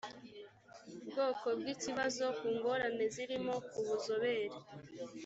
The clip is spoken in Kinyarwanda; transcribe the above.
bwoko bw ikibazo ku ngorane zirimo ku buzobere